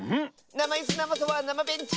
なまイスなまそばなまベンチ！